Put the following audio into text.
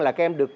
là các em được